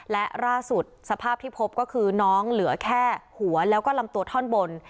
และล่าสุดสภาพที่พบก็คือน้องเหลือแค่หัวแล้วก็ลำตัวท่อนบน